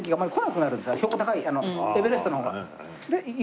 標高高いエベレストの方が。